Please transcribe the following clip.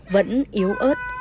vẫn yếu ẩn